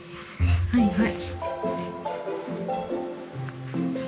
はいはい。